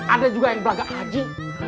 ada juga yang belagak haji